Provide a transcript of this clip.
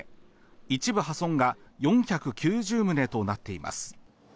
一部破損が４９０棟となっています。